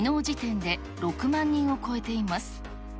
時点で６万人を超えています。